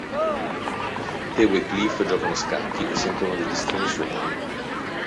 Theo e Cliff giocano a scacchi e sentono degli strani suoni.